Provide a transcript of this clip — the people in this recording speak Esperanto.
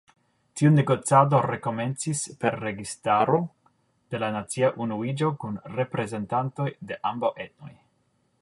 Tiu negocado rekomenciĝis per registaro de la nacia unuiĝo kun reprezentantoj de ambaŭ etnoj.